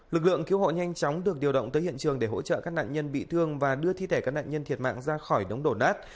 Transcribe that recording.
lực lượng cứu hộ nhanh chóng được điều động tới hiện trường để hỗ trợ các nạn nhân bị thương và đưa thi thể các nạn nhân thiệt mạng ra khỏi đống đổ nát